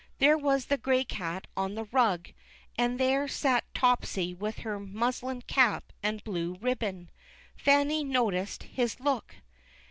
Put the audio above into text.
There was the gray cat on the rug, and there sat Topsy with her muslin cap and blue ribbon. Fanny noticed his look.